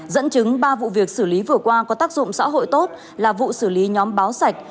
dẫn chứng ba vụ việc xử lý vừa qua có tác dụng xã hội tốt là vụ xử lý nhóm báo sạch